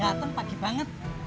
gak tenang pagi banget